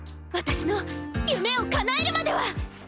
私の夢をかなえるまでは！」。